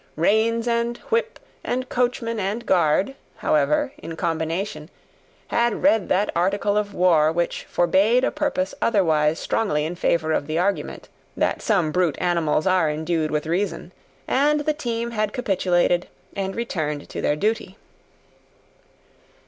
Reins and whip and coachman and guard, however, in combination, had read that article of war which forbade a purpose otherwise strongly in favour of the argument, that some brute animals are endued with Reason; and the team had capitulated and returned to their duty.